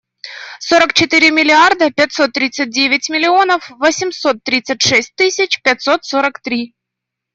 Сорок четыре миллиарда пятьсот тридцать девять миллионов восемьсот тридцать шесть тысяч пятьсот сорок три.